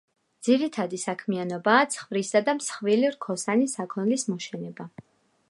ძირითადი საქმიანობაა ცხვრისა და მსხვილი რქოსანი საქონლის მოშენება.